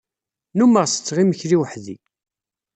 Nnummeɣ setteɣ imekli weḥd-i.